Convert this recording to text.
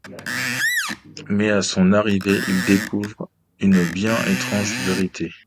Mais, à son arrivée, il découvre une bien étrange vérité.